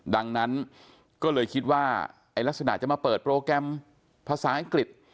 ดังนั้นก็เลยคิดว่าไอ้ลักษณะจะมาเปิดโปรแกรมภาษาอังกฤษ